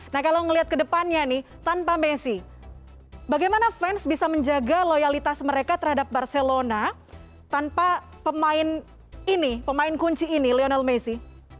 nah kalau ngelihat ke depannya nih tanpa messi bagaimana fans bisa menjaga loyalitas mereka terhadap barcelona tanpa pemain ini pemain kunci ini lionel messi